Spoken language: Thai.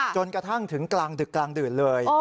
จนกระทั่งถึงกลางดึกกลางดื่นเลย